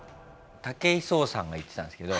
武井壮さんが言ってたんですけど。